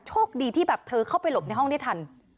โชคดีที่แบบเธอเข้าไปหลบในห้องได้ทัน